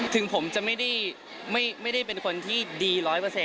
ถึงผมจะไม่ได้เป็นคนที่ดี๑๐๐